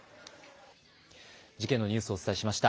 事件のニュースをお伝えしました。